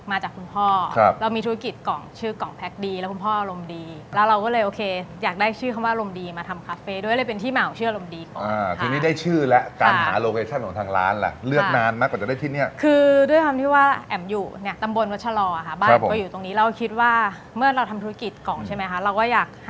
อารมณ์ดีแล้วคุณพ่ออารมณ์ดีแล้วเราก็เลยโอเคอยากได้ชื่อคำว่าอารมณ์ดีมาทำคาเฟ่โดยเลยเป็นที่มาของชื่ออารมณ์ดีก่อนค่ะคืนนี้ได้ชื่อแล้วการหาโลเวชชั่นของทางร้านแหละเลือกนานมากกว่าจะได้ที่เนี่ยคือด้วยความที่ว่าแอ่มอยู่เนี่ยตำบลกับชะลอค่ะบ้านก็อยู่ตรงนี้เราก็คิดว่าเมื่อเราทำธุรกิจก